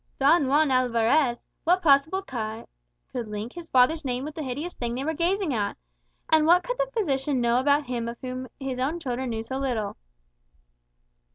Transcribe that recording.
Don Juan Alvarez! What possible tie could link his father's name with the hideous thing they were gazing at? And what could the physician know about him of whom his own children knew so little?